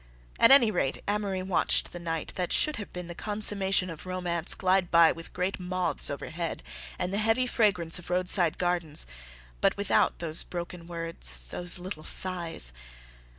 At any rate, Amory watched the night that should have been the consummation of romance glide by with great moths overhead and the heavy fragrance of roadside gardens, but without those broken words, those little sighs....